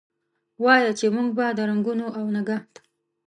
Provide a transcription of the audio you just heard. وایه! چې موږ به د رنګونو اونګهت،